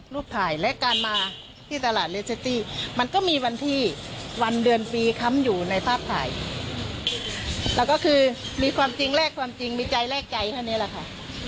แล้วก็คือมีความจริงแลกความจริงมีใจแลกใจแค่นี้แหละค่ะ